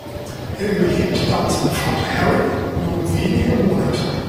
Er überlebte damit seinen Vater Harry nur um wenige Monate.